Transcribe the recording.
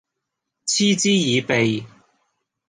嗤之以鼻